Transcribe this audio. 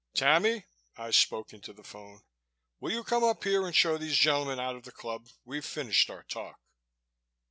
"Tammy," I spoke into the phone, "will you come up here and show these gentlemen out of the club. We've finished our talk."